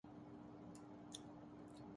یار نے کیسی رہائی دی ہے